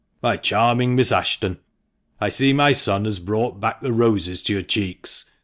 " My charming Miss Ashton, I see my son has brought back the roses to your cheeks.